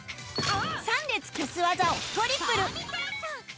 ３列消す技をトリプル